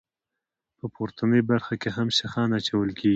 په پورتنۍ برخه کې هم سیخان اچول کیږي